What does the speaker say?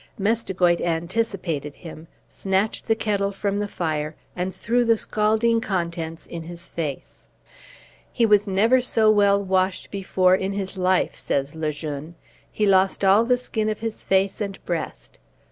Mestigoit anticipated him, snatched the kettle from the fire, and threw the scalding contents in his face. "He was never so well washed before in his life," says Le Jeune; "he lost all the skin of his face and breast.